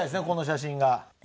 この写真が。